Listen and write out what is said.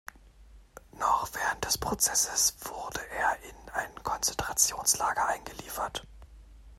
Noch während des Prozesses wurde er in ein Konzentrationslager eingeliefert.